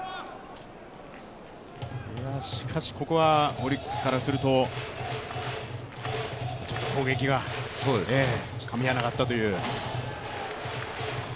しかし、ここはオリックスからすると、ちょっと攻撃がかみ合わなかったという。